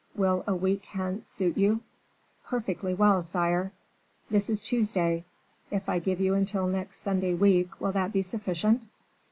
"Will a week hence suit you?" "Perfectly well, sire." "This is Tuesday; if I give you until next Sunday week, will that be sufficient?"